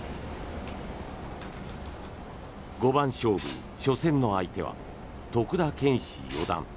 五番勝負初戦の相手は徳田拳士四段。